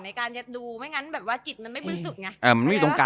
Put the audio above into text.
ในการจะดูไม่งั้นแบบว่าจิตมันไม่บริสุทธิ์ไง